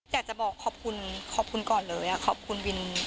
อยากจะบอกขอบคุณขอบคุณก่อนเลยขอบคุณวิน